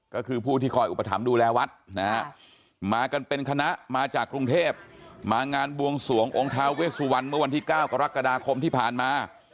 ก็คือผู้ที่คอยอุปถัมภ์ดูแลวัดนะฮะมากันเป็นคณะมาจากกรุงเทพมางานบวงสวงองค์ท้าเวสวันเมื่อวันที่๙กรกฎาคมที่ผ่านมา